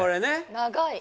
長い。